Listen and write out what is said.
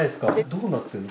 どうなってるの？